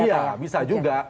iya bisa juga